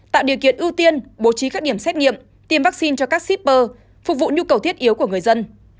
tạo điều kiện ưu tiên bố trí các điểm xét nghiệm tiêm vaccine cho các shipper phục vụ nhu cầu thiết yếu của người dân